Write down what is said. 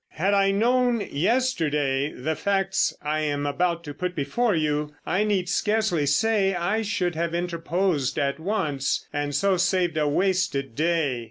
Had I known yesterday the facts I am about to put before you, I need scarcely say I should have interposed at once, and so saved a wasted day.